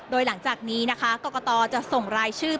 โดยหลังจากนี้นะคะกรกตจะส่งรายชื่อ